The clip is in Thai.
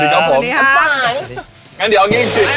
อะไรหรอศึกบาทะ